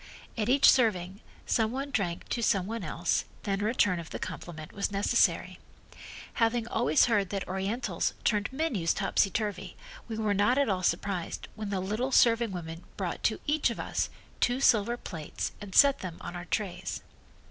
At each serving some one drank to some one else, then a return of the compliment was necessary. Having always heard that Orientals turned menus topsy turvy we were not at all surprised when the little serving women brought to each of us two silver plates and set them on our trays.